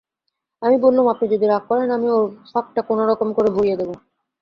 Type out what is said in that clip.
আমি বললুম, আপনি যদি রাগ করেন আমি ওর ফাঁকটা কোনোরকম করে ভরিয়ে দেব।